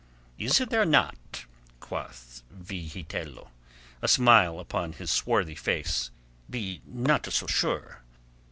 "Is there not?" quoth Vigitello, a smile upon his swarthy face. "Be not so sure.